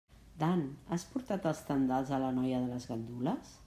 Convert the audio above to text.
Dan, has portat els tendals a la noia de les gandules?